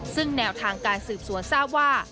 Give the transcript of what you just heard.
ซึ่งแนวทางการสืบสวนทราบว่า